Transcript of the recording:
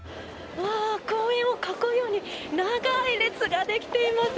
公園を囲うように長い列ができています。